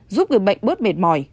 giúp người bệnh bớt mệt mỏi